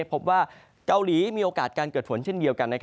พบว่าเกาหลีมีโอกาสการเกิดฝนเช่นเดียวกัน